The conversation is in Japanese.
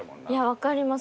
分かります